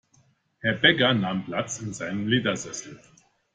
Herr Bäcker nahm Platz in seinem Ledersessel.